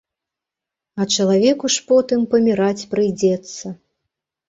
А чалавеку ж потым паміраць прыйдзецца.